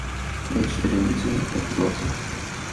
বেশ, এটার নিচে একটা ফুটো আছে।